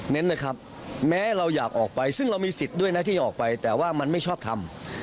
เน้นนะครับแม้เราอยากออกไปซึ่งเรามีสิทธิ์ด้วยนะที่ออกไปแต่ว่ามันไม่ชอบทำ